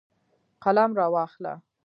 قلم راواخله